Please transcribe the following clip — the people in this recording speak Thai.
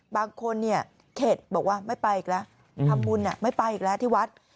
บางคนเนี่ยเข็ดบอกว่าไม่ไปอีกแล้วทำบุญไม่ไปอีกแล้วที่วัด